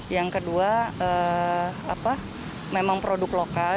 yang kedua memang produk lokal